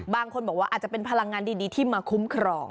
บางคนบอกว่าอาจจะเป็นพลังงานดีที่มาคุ้มครอง